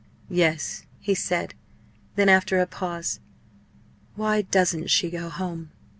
"Yes," he said. Then, after a pause, "Why doesn't she go home?